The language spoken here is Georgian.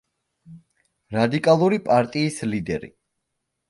რადიკალური პარტიის ლიდერი.